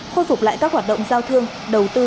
khôi phục lại các hoạt động giao thương đầu tư